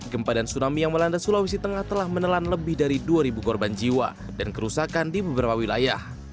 gempa dan tsunami yang melanda sulawesi tengah telah menelan lebih dari dua korban jiwa dan kerusakan di beberapa wilayah